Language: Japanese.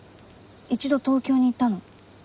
一度東京に行ったの。